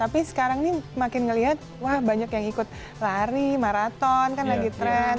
tapi sekarang ini makin ngelihat wah banyak yang ikut lari maraton kan lagi trend